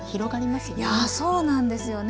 やそうなんですよね。